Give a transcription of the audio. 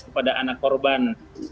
kepada anak korban